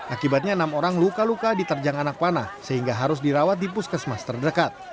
akibatnya enam orang luka luka diterjang anak panah sehingga harus dirawat di puskesmas terdekat